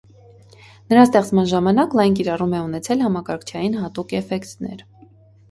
Նրա ստեղծման ժամանակ լայն կիրառում է ունեցել համակարգչային հատուկ էֆեկտներ։